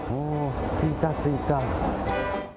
着いた、着いた。